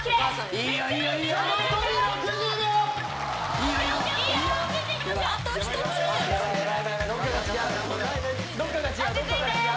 いいよいいよ。